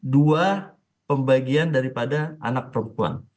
dua pembagian daripada anak perempuan